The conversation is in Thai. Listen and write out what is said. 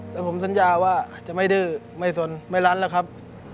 แล้วผมสัญญาว่าจะไม่ดื้อไม่สนไม่รั้นแล้วครับ